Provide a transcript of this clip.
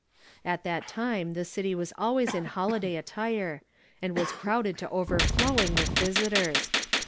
At that time the city was always in holiday at tire, and was crowded to overllowing with visitors.